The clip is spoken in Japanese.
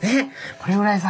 これぐらいさ